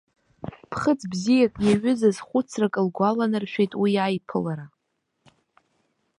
Ԥхыӡ бзиак иаҩызаз хәыцрак лгәаланаршәеит уи аиԥылара.